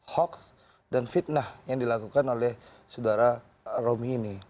hoax dan fitnah yang dilakukan oleh saudara romi ini